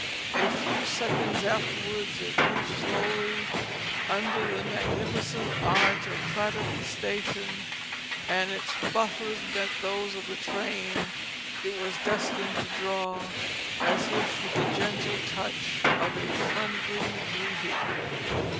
A few seconds afterwards it moved slowly under the magnificent arch of Clatterby station, and its buffers met those of the train it was destined to draw as if with a gentle touch of friendly greeting.